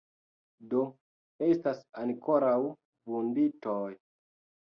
Do, estas ankoraŭ vunditoj.